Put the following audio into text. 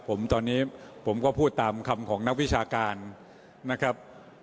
ผมตอนนี้ผมก็พูดตามคำของนักวิชาการนะครับ